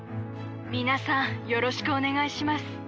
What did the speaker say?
皆さん、よろしくお願いしま